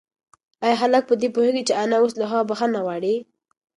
ایا هلک په دې پوهېږي چې انا اوس له هغه بښنه غواړي؟